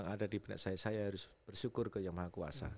ada di benak saya saya harus bersyukur ke yang maha kuasa